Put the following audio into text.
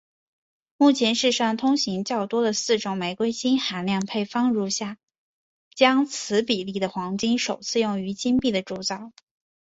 目前世上通行的较多的四种玫瑰金含量配方如下将此比例的黄金首次用于金币的铸造。